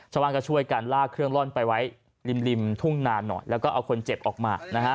ชาวบ้านก็ช่วยกันลากเครื่องร่อนไปไว้ริมริมทุ่งนานหน่อยแล้วก็เอาคนเจ็บออกมานะฮะ